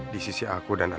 di sisi aku dan tuhan